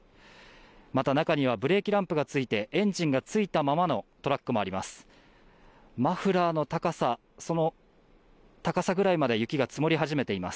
また中にはブレーキランプがついて、エンジンがついたままのトラックもあります。